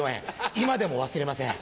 今でも忘れません。